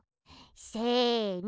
せの。